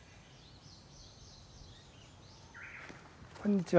こんにちは。